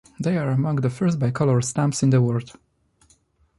They are among the first bicolor stamps in the world.